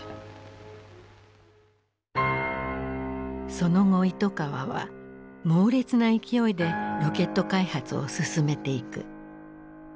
その後糸川は猛烈な勢いでロケット開発を進めていく。